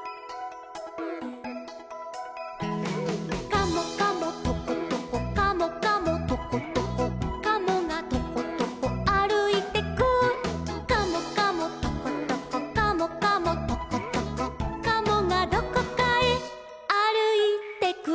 「カモカモトコトコカモカモトコトコ」「カモがトコトコあるいてく」「カモカモトコトコカモカモトコトコ」「カモがどこかへあるいてく」